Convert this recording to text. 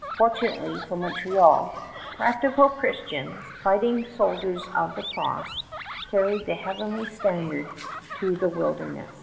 Fortunately for Montreal, practical Christians, fighting soldiers of the cross, carried the heavenly standard to the wilderness.